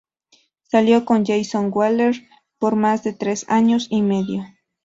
Salió con Jayson Waller por más de tres años y medio.